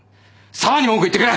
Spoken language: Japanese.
紗和に文句言ってくれ！